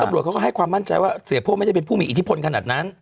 ตำรวจเขาก็ให้ความมั่นใจว่าเสียโพ่ไม่ได้เป็นผู้มีอิทธิพลขนาดนั้น